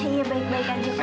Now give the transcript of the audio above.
iya baik baik aja